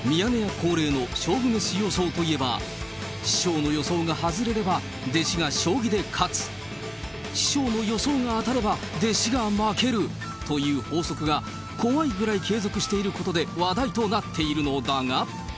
恒例の勝負メシ予想といえば、師匠の予想が外れれば弟子が将棋で勝つ、師匠の予想が当たれば、弟子が負けるという法則が怖いぐらい継続していることで、話題となっているのだが。